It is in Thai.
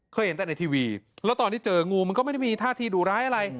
เห็นแต่ในทีวีแล้วตอนที่เจองูมันก็ไม่ได้มีท่าทีดูร้ายอะไร